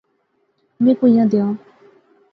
میں کویاں دیاں؟